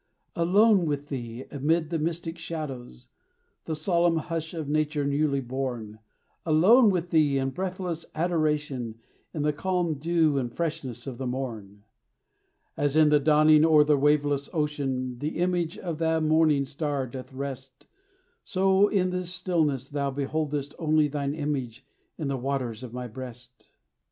Alone with thee, amid the mystic shadows, The solemn hush of nature newly born; Alone with thee in breathless adoration, In the calm dew and freshness of the morn. As in the dawning o'er the waveless ocean The image of the morning star doth rest, So in this stillness thou beholdest only Thine image in the waters of my breast.